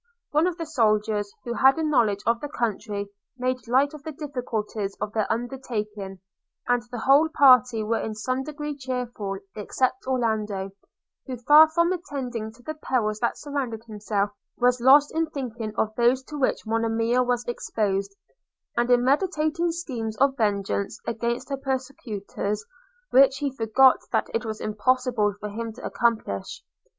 One of the soldiers, who had a knowledge of the country, made light of the difficulties of their undertaking; and the whole party were in some degree cheerful, except Orlando, who, far from attending to the perils that surrounded himself, was lost in thinking of those to which Monimia was exposed; and in meditating schemes of vengeance against her persecutors, which he forgot that it was impossible for him to accomplish.